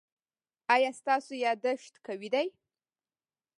ایا ستاسو یادښت قوي دی؟